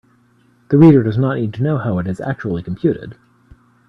The reader does not need to know how it is actually computed.